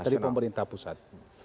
dari pemerintah pusat